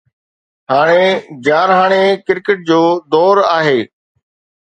هاڻي جارحاڻي ڪرڪيٽ جو دور آهي.